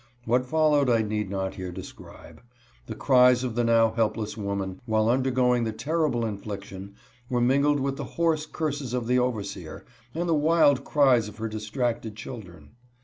What followed I need not here describe. The cries of the now helpless woman, while undergoing the terrible infliction, were mingled with the hoarse curses of the overseer and the wild cries of her distracted children.